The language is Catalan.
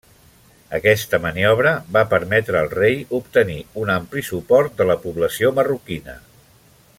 Aquesta maniobra va permetre al rei obtenir un ampli suport de la població marroquina.